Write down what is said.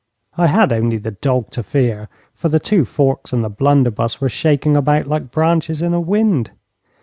I had only the dog to fear, for the two forks and the blunderbuss were shaking about like branches in a wind.